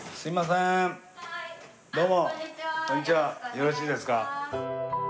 よろしいですか？